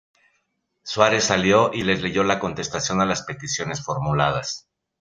Suárez salió y les leyó la contestación a las peticiones formuladas.